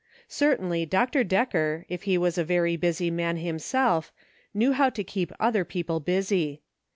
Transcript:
Certainly Dr. Decker, if he was a very busy man himself, knew how to keep other people busy.